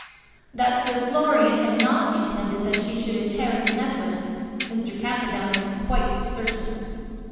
That Sir Florian had not intended that she should inherit the necklace, Mr. Camperdown was quite certain.